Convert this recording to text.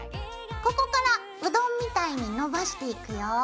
ここからうどんみたいに伸ばしていくよ。